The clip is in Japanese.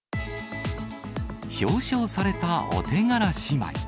表彰されたお手柄姉妹。